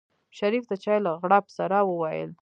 شريف د چای له غړپ سره وويل.